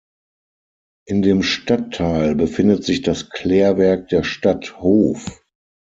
In dem Stadtteil befindet sich das Klärwerk der Stadt Hof.